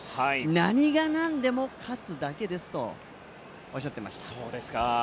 何が何でも勝つだけですとおっしゃってました。